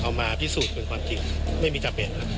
มาพิสูจน์เป็นความจริงไม่มีจำเป็นครับ